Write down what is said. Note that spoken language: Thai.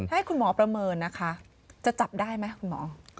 ให้คุณหมอประเมินนะคะจะจับได้ไหมคุณหมอ